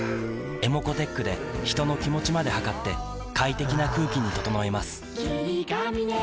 ｅｍｏｃｏーｔｅｃｈで人の気持ちまで測って快適な空気に整えます